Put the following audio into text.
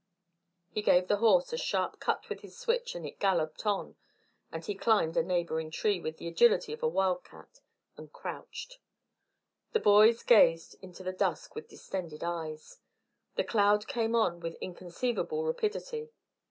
He gave the horse a sharp cut with his switch and it galloped on; then he climbed a neighbouring tree with the agility of a wildcat, and crouched. The boys gazed into the dusk with distended eyes. The cloud came on with inconceivable rapidity.